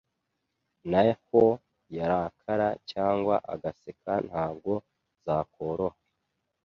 Naho yarakara cyangwa agaseka ntabwo zakoroha